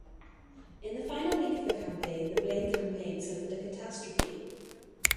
In the final week of the campaign, the Blaine campaign suffered a catastrophe.